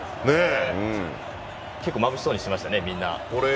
結構、まぶしそうにしてましたね、みんな。